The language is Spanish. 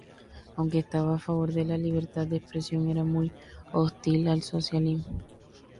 Aunque estaba a favor de la libertad de expresión, era muy hostil al socialismo.